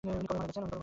উনি কবে মারা গেছেন?